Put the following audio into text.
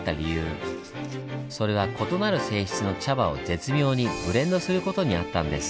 それは異なる性質の茶葉を絶妙にブレンドする事にあったんです。